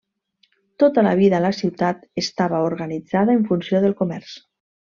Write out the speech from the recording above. Tota la vida a la ciutat estava organitzada en funció del comerç.